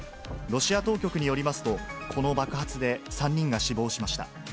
ロシア当局によりますと、この爆発で３人が死亡しました。